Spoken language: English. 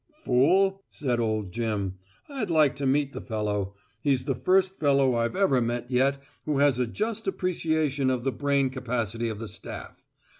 "Fool?" said old Jim. "I'd like to meet the fellow. He's the first fellow I've ever met yet who has a just appreciation of the brain capacity of the Staff.